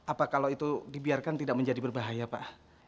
apa kalau itu dibiarkan tidak menjadi berbahaya pak